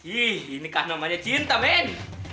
ih ini kan namanya cinta men